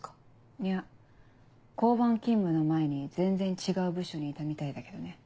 いや交番勤務の前に全然違う部署にいたみたいだけどね。